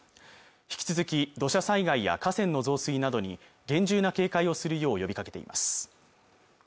引き続き土砂災害や河川の増水などに厳重な警戒をするよう呼びかけています